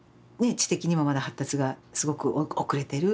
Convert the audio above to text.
知的にもまだ発達がすごく遅れてる。